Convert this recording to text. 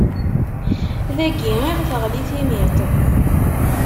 Dagi i ɣ-teɣli timiḍt.